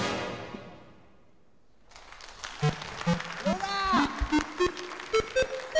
どうだ。